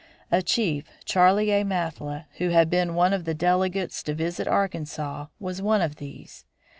A chief, Charley A. Mathla, who had been one of the delegates to visit Arkansas, was one of these.